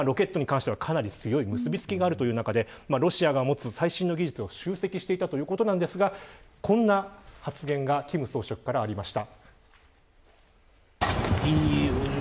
ロケットに関してはかなり強い結び付きがある中でロシアが持つ最新の技術を集積していきたいということですがこんな発言が金総書記からありました。